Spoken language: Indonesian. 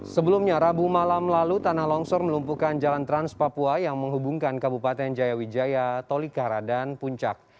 sebelumnya rabu malam lalu tanah longsor melumpuhkan jalan trans papua yang menghubungkan kabupaten jayawijaya tolikara dan puncak